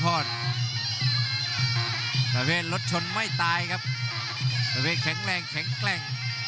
ประเภทรถชนไม่ตายครับประเภทแข็งแรงแข็งแกร่ง